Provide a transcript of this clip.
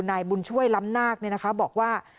นายบุญช่วยล้ำนากเนี่ยนะคะบอกว่า